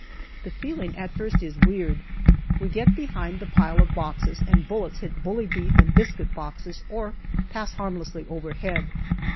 The feeling at first is weird. We get behind the pile of boxes, and bullets hit bully beef and biscuit boxes or pass harmlessly overhead.